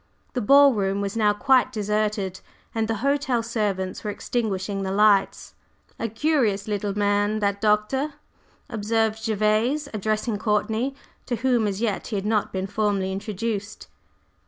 The ball room was now quite deserted, and the hotel servants were extinguishing the lights. "A curious little man, that Doctor," observed Gervase, addressing Courtney, to whom as yet he had not been formally introduced.